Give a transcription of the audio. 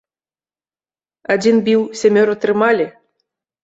Адзін біў, сямёра трымалі?